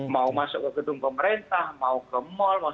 mau masuk ke gedung pemerintah mau ke mall mau